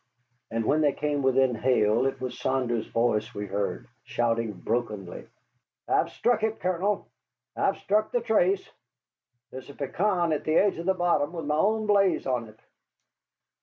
And when they came within hail it was Saunders' voice we heard, shouting brokenly: "I've struck it, Colonel, I've struck the trace. There's a pecan at the edge of the bottom with my own blaze on it."